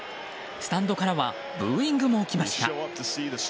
スタンドからはブーイングも起きました。